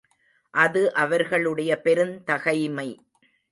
அது அவர்களுடைய பெருந்தகைமை.